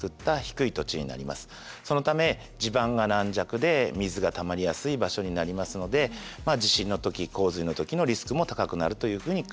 そのため地盤が軟弱で水がたまりやすい場所になりますのでまあ地震の時洪水の時のリスクも高くなるというふうに考えてください。